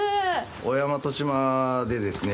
小山戸島でですね